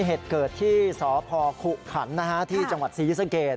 เหตุเกิดที่สพขุขันทร์ที่จังหวัดซีซะเกด